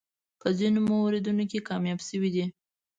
په ځینو موردونو کې کامیاب شوی دی.